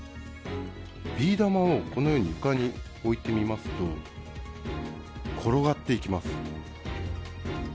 ビー玉をこのように床に置いてみますと、転がっていきます。